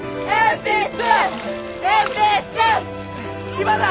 今だ！